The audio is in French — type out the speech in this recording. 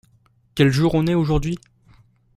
Quel jour on est aujourd’hui ?